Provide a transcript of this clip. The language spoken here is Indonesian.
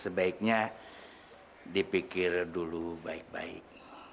sebaiknya dipikir dulu baik baik